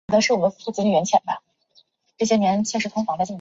宽平八年六月逝世。